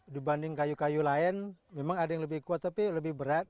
dibanding kayu kayu lain memang ada yang lebih kuat tapi lebih berat